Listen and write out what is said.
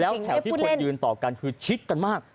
แล้วแถวที่คนยืนต่อกันคือชิดกันมาก